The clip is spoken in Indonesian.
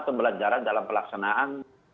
pembelajaran dalam pelaksanaan